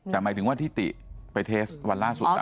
แต่หมายถึงว่าที่ติไปเทสวันล่าสุด